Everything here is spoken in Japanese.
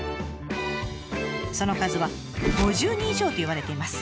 その数は５０人以上といわれています。